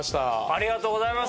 ありがとうございます。